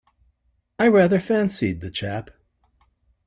I rather fancied the chap.